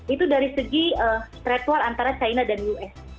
itu dari segi strektual antara china dan us